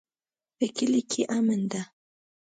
په کلي کې امن ده